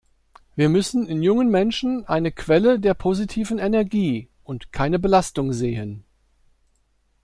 Wir müssen in jungen Menschen eine Quelle der positiven Energie und keine Belastung sehen.